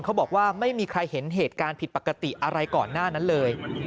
เขาบอกว่าไม่มีใครเห็นเหตุการณ์ผิดปกติอะไรก่อนหน้านั้นเลย